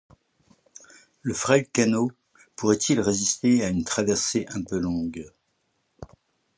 Le frêle canot pourrait-il résister à une traversée un peu longue?